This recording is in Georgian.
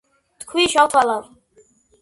თქვი, შავთვალავ,